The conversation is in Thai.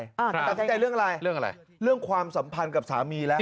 ตัดสินใจเรื่องอะไรเรื่องความสัมพันธ์กับสามีแล้ว